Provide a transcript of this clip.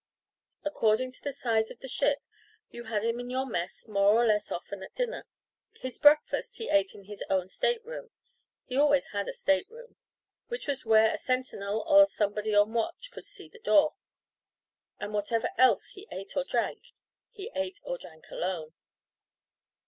According to the size of the ship, you had him at your mess more or less often at dinner. His breakfast he ate in his own state room he always had a state room which was where a sentinel or somebody on the watch could see the door. And whatever else he ate or drank, he ate or drank alone.